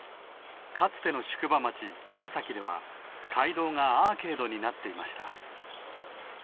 かつての宿場町黒崎では街道がアーケードになっていました。